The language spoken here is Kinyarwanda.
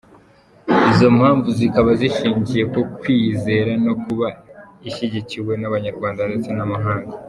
Izo mpamvu zikaba zishingiye ku kwiyizera, no kuba ishyigikiwe n’abanyarwanda ndetse n’amahanga.